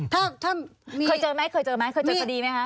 ถ้าถ้ามีเคยเจอไหมเคยเจอทะดีไหมคะ